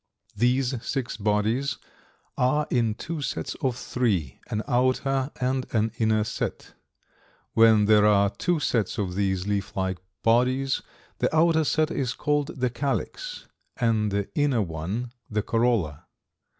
These six bodies are in two sets of three an outer and an inner set. When there are two sets of these leaf like bodies the outer set is called the calyx, and the inner one the corolla.